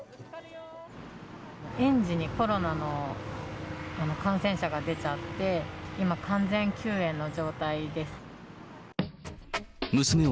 園児にコロナの感染者が出ちゃって、今完全休園の状態です。